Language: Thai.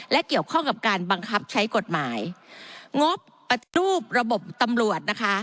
และเกี่ยวข้องกับการบังคับใช้กฎหมายงบปฏิรูประบบตำรวจนะคะ